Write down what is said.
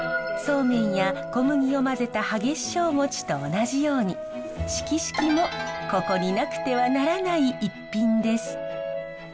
そうめんや小麦を混ぜた半夏生餅と同じようにしきしきもここになくてはならない逸品です。